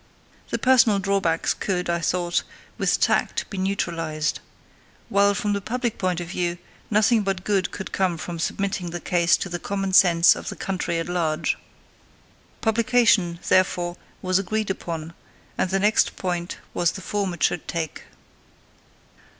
The personal drawbacks could, I thought, with tact be neutralised; while, from the public point of view, nothing but good could come from submitting the case to the common sense of the country at large. Publication, therefore, was agreed upon, and the next point was the form it should take.